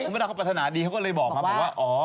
คุณพะดัมเข้าปรัฐนาดีเขาก็เลยบอกมาบอกว่า